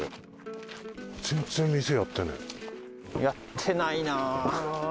やってないな。